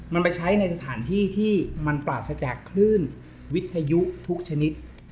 มันไปใช้ในสถานที่ที่มันปราศจากคลื่นวิทยุทุกชนิด